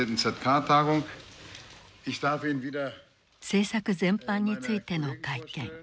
政策全般についての会見。